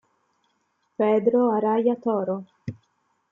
Pedro Araya Toro